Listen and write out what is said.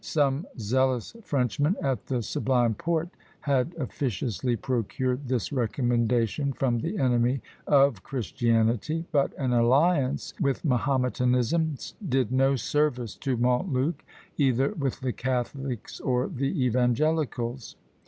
Some zealous Frenchman at the Sublime Porte had officiously procured this recommendation from the enemy of Christianity; but an alliance with Mahometanism did no service to Montluc, either with the catholics or the evangelicals.